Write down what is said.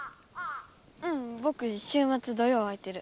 うんぼく週まつ土曜あいてる。